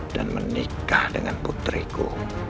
dan menikah dengan putriku